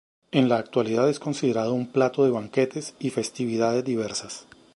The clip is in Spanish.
En la actualidad es considerado un plato de banquetes y festividades diversas.